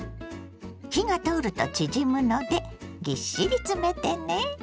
火が通ると縮むのでぎっしり詰めてね。